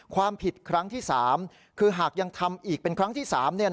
ความผิดครั้งที่๓คือหากยังทำอีกเป็นครั้งที่๓